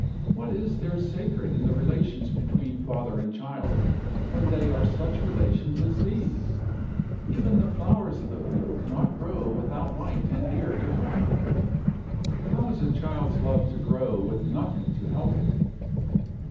What is there sacred in the relations between father and child, when they are such relations as these? Even the flowers of the field cannot grow without light and air to help them! How is a child's love to grow, with nothing to help it?